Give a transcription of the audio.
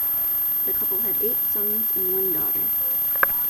The couple had eight sons and one daughter.